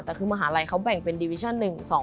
แต่คือมหาลัยเขาแบ่งเป็นดิวิชั่น๑๒